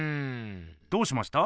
どうしました？